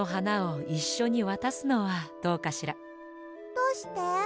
どうして？